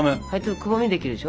くぼみできるでしょ？